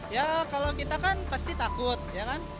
ya kalau kita kan pasti takut ya kan